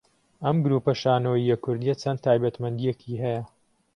ئەم گروپە شانۆیییە کوردییە چەند تایبەتمەندییەکی هەیە